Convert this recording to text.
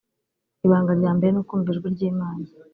Ibanga rya mbere ni ukumva ijwi ry'Imana